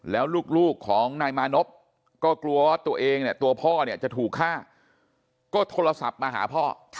แล้วลูกของนายมานบก็กลัวตัวเองตัวพ่อจะถูกฆ่าก็โทรศัพท์มาหาพ่อ